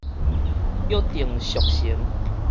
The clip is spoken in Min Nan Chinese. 約定俗成